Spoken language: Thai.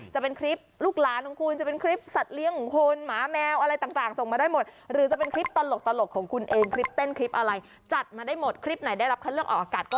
จะเป็นคลิปลูกล้านของคุณจะเป็นคลิปสัตว์เลี้ยงของคุณหมาแมวอะไรต่าง